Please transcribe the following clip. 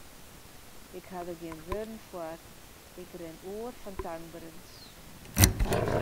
Ik ha der gjin wurden foar, ik rin oer fan tankberens.